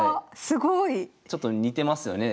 すごい！ちょっと似てますよね。